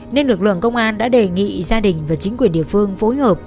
nên lực lượng công an đã đề nghị gia đình và chính quyền địa phương phối hợp